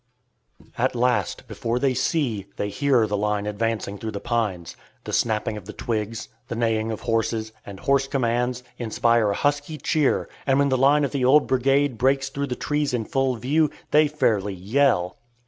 At last, before they see, they hear the line advancing through the pines. The snapping of the twigs, the neighing of horses, and hoarse commands, inspire a husky cheer, and when the line of the old brigade breaks through the trees in full view, they fairly yell!